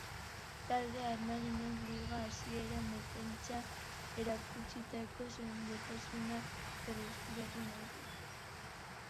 Talde armaginak liga hasieran defentsan erakutsitako sendotasuna berreskuratu nahi du.